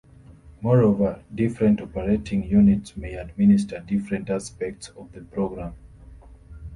Moreover, different operating units may administer different aspects of the program.